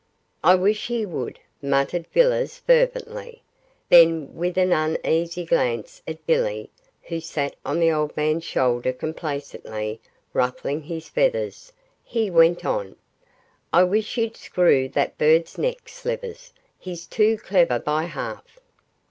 'I wish he would!' muttered Villiers, fervently; then with an uneasy glance at Billy, who sat on the old man's shoulder complacently ruffling his feathers, he went on: 'I wish you'd screw that bird's neck, Slivers; he's too clever by half.